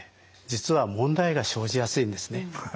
実は問題が生じやすいんですね。